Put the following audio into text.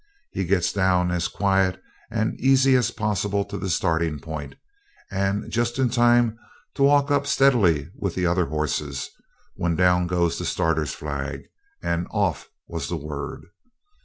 He gets down as quiet and easy as possible to the starting point, and just in time to walk up steadily with the other horses, when down goes the starter's flag, and 'Off' was the word.